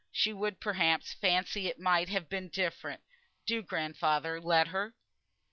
She would perhaps fancy it might have been different; do, grandfather, let her."